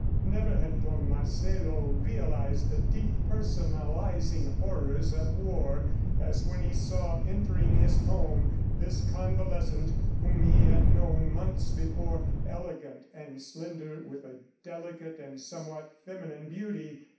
... Never had Don Marcelo realized the de personalizing horrors of war as when he saw entering his home this convalescent whom he had known months before elegant and slender, with a delicate and somewhat feminine beauty.